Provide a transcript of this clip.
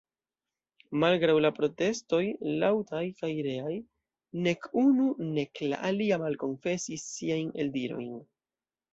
Malgraŭ la protestoj laŭtaj kaj reaj, nek unu nek la alia malkonfesis siajn eldirojn.